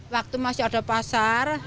waktu masih ada pasar